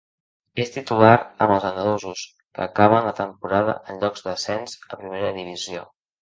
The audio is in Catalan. És titular amb els andalusos, que acaben la temporada en llocs d'ascens a primera divisió.